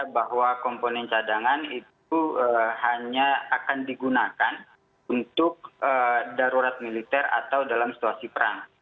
bahwa komponen cadangan itu hanya akan digunakan untuk darurat militer atau dalam situasi perang